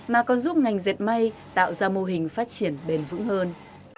mà còn giúp ngành dệt may tạo ra mô hình phát triển bền vững hơn